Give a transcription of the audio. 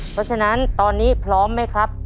เพราะฉะนั้นตอนนี้พร้อมไหมครับ